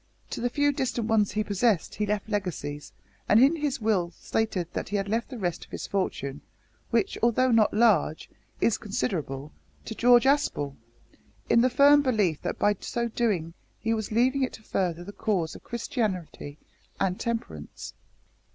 To the few distant ones he possessed he left legacies, and in his will stated that he left the rest of his fortune which, although not large, is considerable to George Aspel, in the firm belief that by so doing he was leaving it to further the cause of Christianity and Temperance."